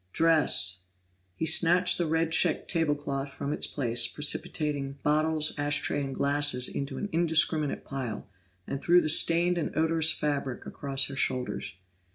"Dress!" He snatched the red checked table cloth from its place, precipitating bottles, ash tray, and glasses into an indiscriminate pile, and threw the stained and odorous fabric across her shoulders.